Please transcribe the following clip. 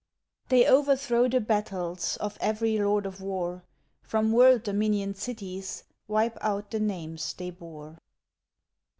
They overthrow the battles Of every lord of war, From world dominioned cities Wipe out the names they bore.